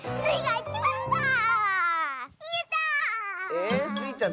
えスイちゃん